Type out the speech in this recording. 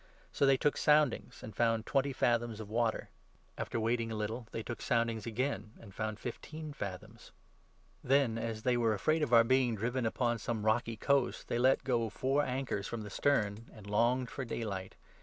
So they took soundings, and found twenty fathoms of water. 28 After waiting a little, they took soundings again, and found THE ACTS, 27 28. 267 fifteen fathoms. Then, as they were afraid of our being driven 29 Upon some rocky coast, they let go four anchors from the stern, and longed for daylight.